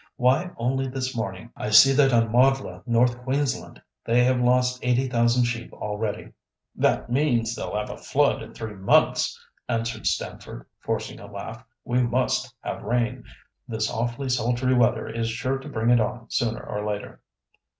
Why only this morning, I see that on Modlah, North Queensland, they have lost eighty thousand sheep already!" "That means they'll have a flood in three months," answered Stamford, forcing a laugh. "We must have rain. This awfully sultry weather is sure to bring it on sooner or later."